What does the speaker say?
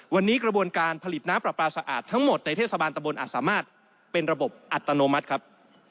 วันนี้กระบวนการผลิตน้ำปลาปลาสะอาดทั้งหมดในเทศบาลตะบนอาจสามารถเป็นระบบอัตโนมัติครับ